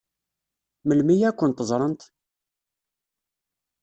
Melmi ad kent-ẓṛent?